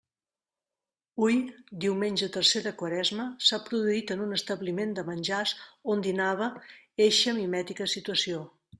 Hui, diumenge tercer de Quaresma, s'ha produït en un establiment de menjars on dinava eixa mimètica situació.